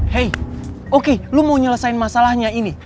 hei oke lo mau nyelesain masalahnya ini